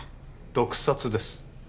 毒殺です